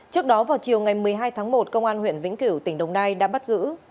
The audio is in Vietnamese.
trước đó vào chiều ngày một mươi hai tháng một công an huyện vĩnh cửu tỉnh đồng nai đã bắt giữ